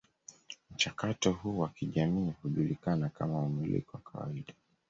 Mchakato huu wa kijamii hujulikana kama umiliki wa kawaida.